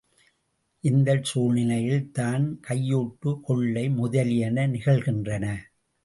இந்தச் சூழ்நிலையில் தான் கையூட்டு, கொள்ளை முதலியன நிகழ்கின்றன!